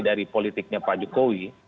dari politiknya pak jokowi